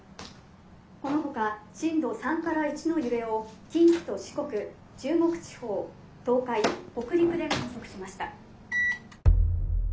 このほか震度３から１の揺れを近畿と四国中国地方東海北陸で観測しました」。